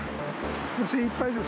精いっぱいです。